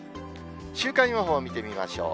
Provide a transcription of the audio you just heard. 週間予報を見てみましょう。